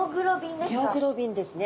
ミオグロビンですか？